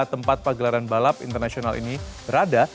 tempat pagelaran balap internasional ini berada